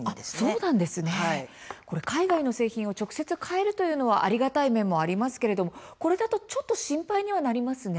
そうなんですね海外の製品を直接買えるというのはありがたい面がありますけれども、これだとちょっと心配になりますね。